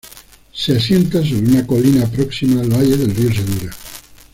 Se asienta sobre una colina próxima al valle del río Segura.